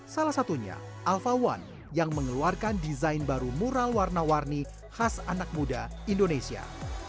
salah satunya alphawan yang mengeluarkan desain baru mural warna warni khas anak muda indonesia